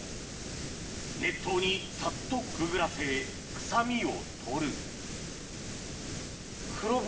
熱湯にさっとくぐらせ臭みを取る黒豚？